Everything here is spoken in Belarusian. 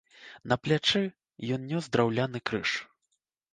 На плячы ён нёс драўляны крыж.